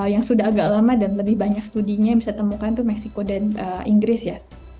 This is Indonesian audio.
yang sudah agak lama dan lebih banyak studinya yang bisa temukan itu meksiko dan inggris ya